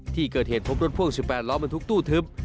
ที่เกิดเหตุพบรถพ่วง๑๘ล้อบรรทุกตู้ทึบ